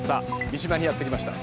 三島にやって来ました。